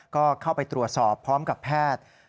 ก็เข้าไปตรวจสอบพร้อมกับแพทย์